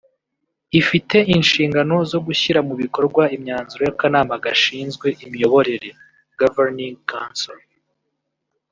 ifite inshingano zo gushyira mu bikorwa imyanzuro y’akanama gashinzwe imiyoborere (Governing Council)